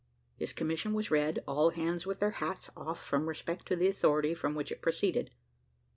His commission was read, all hands with their hats off from respect to the authority from which it proceeded.